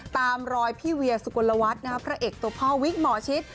ตามรอยพี่เวียสุกลวัตน์นะครับพระเอกตัวภวิทย์หมอชิต